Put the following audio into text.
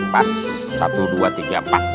pas satu dua tiga empat